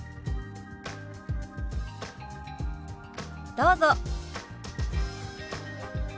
どうぞ。